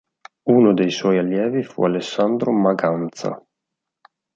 Uno dei suoi allievi fu Alessandro Maganza.